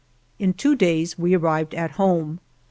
In two days we arrived at home.